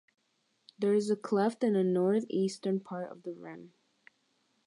There is a cleft in the northeastern part of the rim.